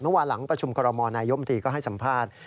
เมื่อวานหลังประชุมคอรมอลนายมตรีก็ให้สัมภาษณ์